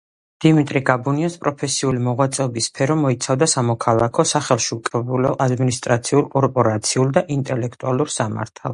დიმიტრი გაბუნიას პროფესიული მოღვაწეობის სფერო მოიცავდა სამოქალაქო, სახელშეკრულებო, ადმინისტრაციულ, კორპორაციულ და ინტელექტუალურ სამართალს.